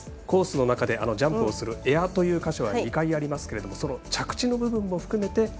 コースの中でジャンプするエアという箇所は２回ありますけどその着地の部分も含めて